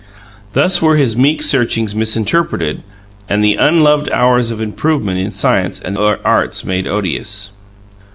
Thus were his meek searchings misinterpreted, and the unloved hours of improvement in science and the arts made odious.